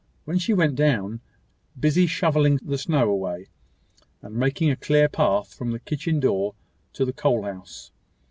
When she went down, she found her brother busy shovelling the snow away, and making a clear path from the kitchen door to the coal house.